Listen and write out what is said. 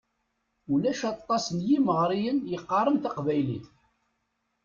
Ulac aṭas n yimeɣriyen yeqqaren taqbaylit.